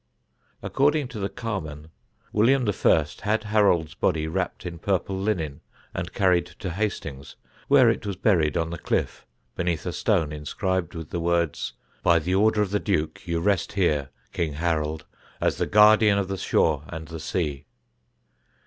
According to the Carmen William I. had Harold's body wrapped in purple linen and carried to Hastings, where it was buried on the cliff beneath a stone inscribed with the words: "By the order of the Duke, you rest here, King Harold, as the guardian of the shore and the sea."